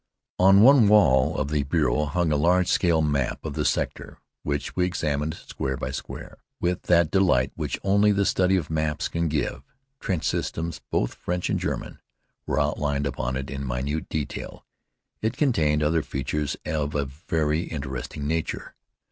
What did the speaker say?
On one wall of the bureau hung a large scale map of the sector, which we examined square by square with that delight which only the study of maps can give. Trench systems, both French and German, were outlined upon it in minute detail. It contained other features of a very interesting nature.